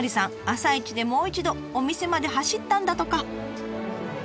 朝一でもう一度お店まで走ったんだとか。